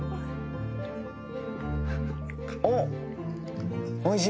おっおいしい？